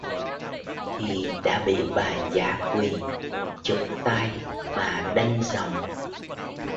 Thì đã bị bà dã quỳ Chụp tay bà đanh giọng